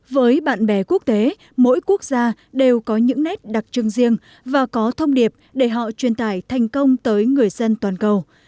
với bạn bè quốc tế mỗi quốc gia đều có những nét đặc trưng riêng và có thông điệp để họ truyền tải thành công tới người dân toàn cầu